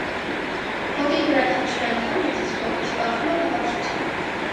Հոտի յուրաքանչյուր անդամ՝ մեծից փոքր, զբաղվում էր հավաքչությամբ։